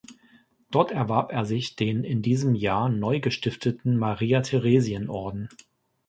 Dort erwarb er sich den in diesem Jahr neu gestifteten Maria-Theresien-Orden.